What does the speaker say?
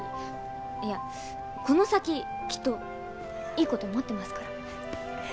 いやこの先きっといいこと待ってますから。